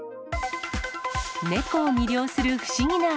猫を魅了する不思議な穴。